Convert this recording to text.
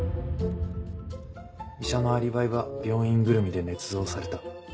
医者のアリバイは病院ぐるみでねつ造された。